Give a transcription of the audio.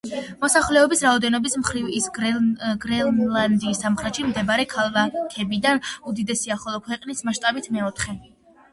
მოსახლეობის რაოდენობის მხრივ ის გრენლანდიის სამხრეთში მდებარე ქალაქებიდან უდიდესია, ხოლო ქვეყნის მასშტაბით მეოთხე.